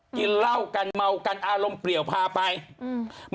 กินเหล้ากันเมากันอารมณ์เปลี่ยวพาไปอืม